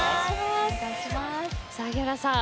萩原さん